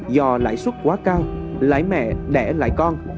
do lãi suất quá cao lãi mẹ đẻ lại con